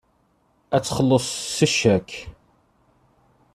Ad txelleṣ s ccak.